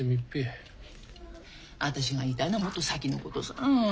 あたしが言いたいのはもっと先のことさ。